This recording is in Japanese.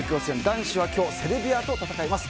男子は今日セルビアと戦います。